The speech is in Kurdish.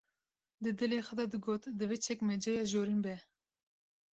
‘’Di dilê xwe de digot: Divê çekmeceya jorîn be.